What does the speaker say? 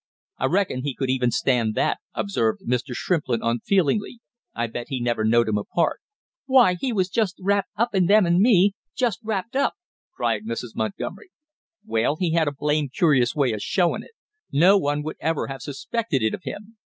"I reckon he could even stand that," observed Mr. Shrimplin unfeelingly. "I bet he never knowed 'em apart." "Why he was just wrapped up in them and me, just wrapped up!" cried Mrs. Montgomery. "Well, he had a blame curious way of showing it; no one would ever have suspected it of him!"